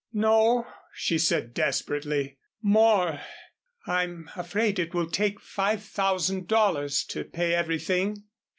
"No," she said, desperately, "more. I'm afraid it will take five thousand dollars to pay everything."